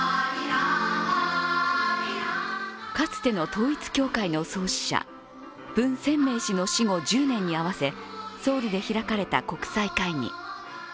かつての統一教会の創始者、文鮮明氏の死後１０年に合わせソウルで開かれた国際会議。